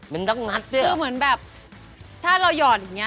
ไม่โดนล่ะอายเลยนะเฮ้ย